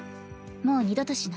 もう二度としない。